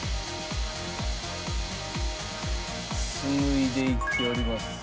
紡いでいっております。